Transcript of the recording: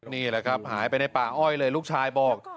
นี่แหละครับหายไปในป่าอ้อยเลยลูกชายบอก